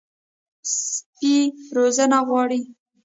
سپي روزنه غواړي.